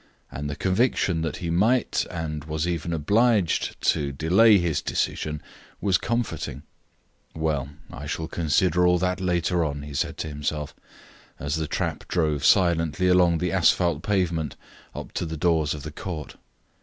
And the conviction that he might, and was even obliged, to delay his decision, was comforting. "Well, I shall consider all that later on," he said to himself, as the trap drove silently along the asphalt pavement up to the doors of the Court.